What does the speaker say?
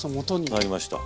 なりました。